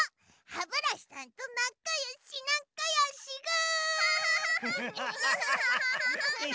ハブラシさんとなかよしなかよしぐ！